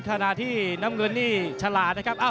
ขณะที่น้ำเงินนี่ฉลาดนะครับ